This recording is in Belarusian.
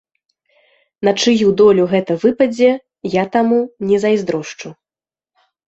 На чыю долю гэта выпадзе, я таму не зайздрошчу.